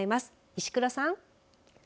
石黒さん。